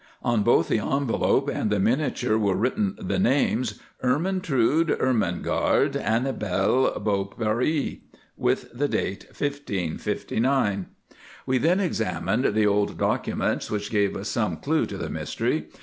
On both the envelope and the miniature were written the names 'Ermentrude Ermengarde Annibal Beaurepaire,' with the date 1559. "We then examined the old documents which gave us some clue to the mystery.